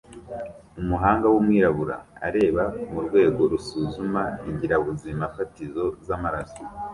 Umuhanga wumwirabura areba murwego rusuzuma ingirabuzimafatizo z'amaraso